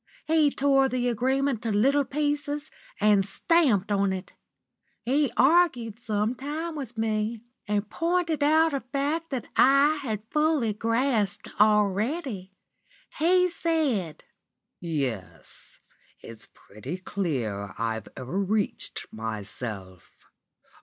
He tore the agreement to little pieces, and stamped on it. He argued some time with me, and pointed out a fact that I had fully grasped already. He said: "'Yes, it's pretty clear I've over reached myself.